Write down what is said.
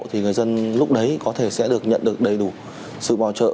thì người dân lúc đấy có thể sẽ được nhận được đầy đủ sự bảo trợ